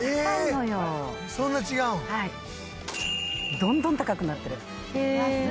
どんどん高くなってる。